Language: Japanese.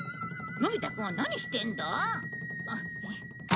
のび太くんは何してんだ？